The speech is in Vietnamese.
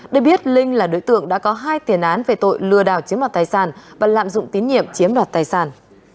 để biết linh là đối tượng đã có hai tiền án về tội lừa đảo chiếm đoạt tài sản và lạm dụng tín nhiệm chiếm đoạt tài sản